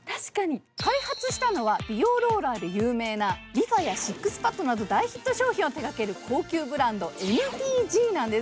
開発したのは美容ローラーで有名なリファやシックスパッドなど大ヒット商品を手掛ける高級ブランドＭＴＧなんです。